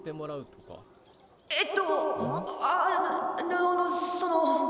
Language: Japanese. えっとああのその」。